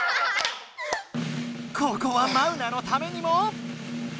ここはマウナのためにも。